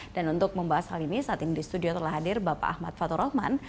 dan untuk membahas hal ini saat ini di studio telah hadir bapak ahmad fathur rahman